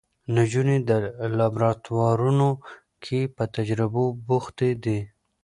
نجونې په لابراتوارونو کې په تجربو بوختې دي.